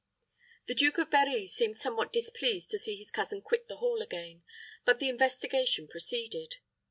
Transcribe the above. The Duke of Berri seemed somewhat displeased to see his cousin quit the hall again; but the investigation proceeded.